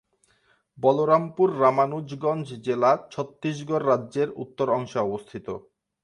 বলরামপুর-রামানুজগঞ্জ জেলা ছত্তিসগড় রাজ্যের উত্তর অংশে অবস্থিত।